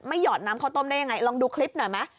หยอดน้ำข้าวต้มได้ยังไงลองดูคลิปหน่อยไหม